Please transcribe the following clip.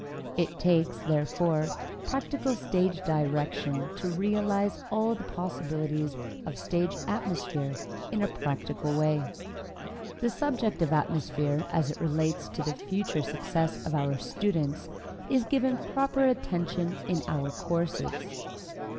It takes, therefore, practical stage direction to realize all the possibilities of stage atmosphere in a practical way. The subject of atmosphere as it relates to the future success of our students, is given proper attention in our courses.